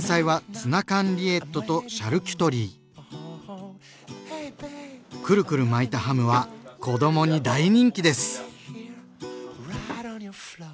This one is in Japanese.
前菜はクルクル巻いたハムは子どもに大人気です！